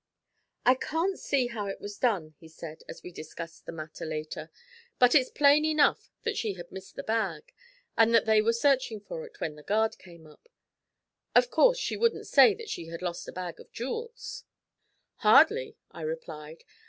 'I can't see how it was done,' he said, as we discussed the matter later. 'But it's plain enough that she had missed the bag, and that they were searching for it when the guard came up. Of course she wouldn't say that she had lost a bag of jewels.' 'Hardly,' I replied.